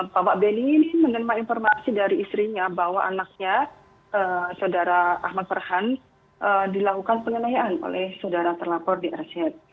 bapak bendy ini menerima informasi dari istrinya bahwa anaknya saudara ahmad farhan dilakukan penyelidikan oleh saudara terlapor drz